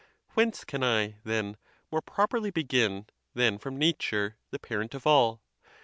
Whence can I, then, more properly begin than from Nat ure, the parent of all?